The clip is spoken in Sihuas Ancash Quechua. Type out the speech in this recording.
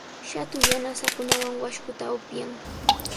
Shatu yanasankunawan washkuta upyan.